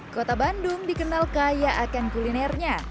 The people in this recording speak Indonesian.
kota bandung dikenal kaya akan kulinernya